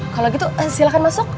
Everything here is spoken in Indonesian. kalau gitu silahkan masuk